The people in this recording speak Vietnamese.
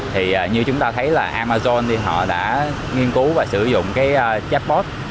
thì như chúng ta thấy là amazon thì họ đã nghiên cứu và sử dụng cái chatbot